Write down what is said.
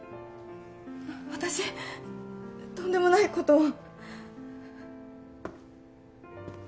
私とんでもないことを。